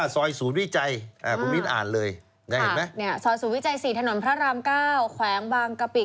ซอยศูนย์วิจัย๔ถนนพระราม๙แขวงบางกะปิก